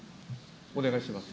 お願いします。